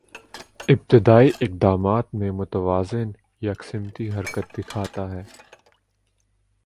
ابتدائی اقدامات میں ایک متوازن یکسمتی حرکت دکھاتا ہے